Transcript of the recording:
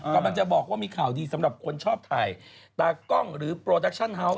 กำลังจะบอกว่ามีข่าวดีสำหรับคนชอบถ่ายตากล้องหรือโปรดักชั่นเฮาส์